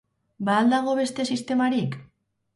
Ba al dago beste sistemarik?